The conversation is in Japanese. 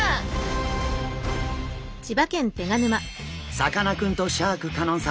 さかなクンとシャーク香音さん